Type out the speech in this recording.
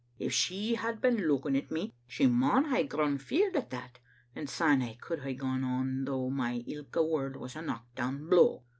''* If she had been looking at me, she maun hae grown feared at that, and syne I could hae gone on though my ilka word was a knockdown blow.